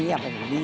tidak ada petai iya